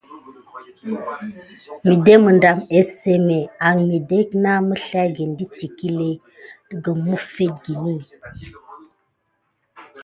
Miɗe miŋɗɑm ésisémé əslay dət iŋkle noffo gum əffete.